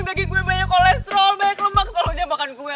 daging gue banyak kolesterol banyak lemak tolong jangan makan gue